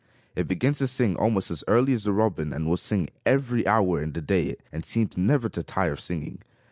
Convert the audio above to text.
It begins to sing almost as early as the robin and will sing every hour in the day and seems never to tire of singing.